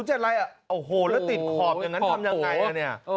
โอ้โหแล้วติดขอบอย่างนั้นทำยังไงอ่ะเนี่ย